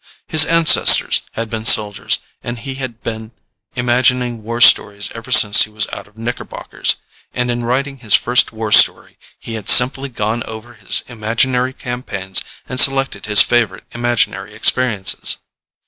His ancestors had been soldiers, and he had been imagining war stories ever since he was out of knickerbockers, and in writing his first war story he had simply gone over his imaginary campaigns and selected his favorite imaginary experiences.